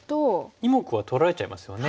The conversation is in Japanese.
２目は取られちゃいますよね。